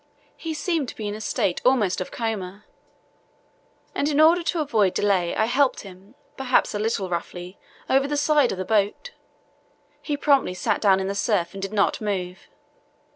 He seemed to be in a state almost of coma, and in order to avoid delay I helped him, perhaps a little roughly, over the side of the boat. He promptly sat down in the surf and did not move.